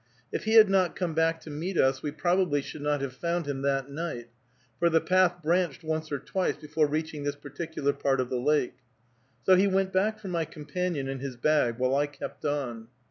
If he had not come back to meet us, we probably should not have found him that night, for the path branched once or twice before reaching this particular part of the lake. So he went back for my companion and his bag, while I kept on.